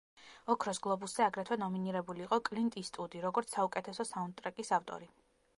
ოქროს გლობუსზე აგრეთვე ნომინირებული იყო კლინტ ისტვუდი, როგორც საუკეთესო საუნდტრეკის ავტორი.